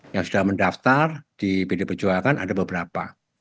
yang sudah mendaftar di pd perjuangan ada beberapa